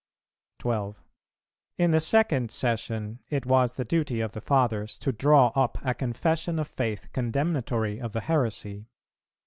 In the second Session it was the duty of the Fathers to draw up a confession of faith condemnatory of the heresy.